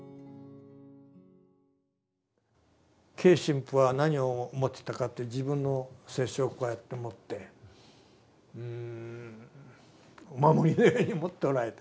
Ｋ神父は何を持ってたかって自分の聖書をこうやって持ってお守りのように持っておられた。